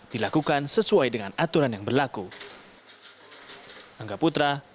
dilakukan sesuai dengan aturan yang berlaku